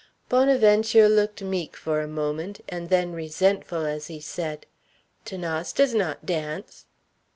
Bonaventure looked meek for a moment, and then resentful as he said: "'Thanase does not dance."